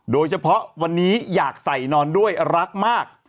โดยเฉพาะวันนี้อยากใส่นอนด้วยรักมาก